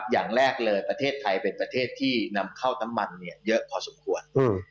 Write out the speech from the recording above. อย่างแรกเลยประเทศไทยเป็นประเทศที่นำเข้าน้ำมันเยอะพอสมควร